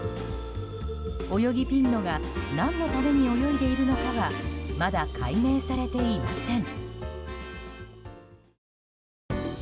オヨギピンノが何のために泳いでいるのかはまだ解明されていません。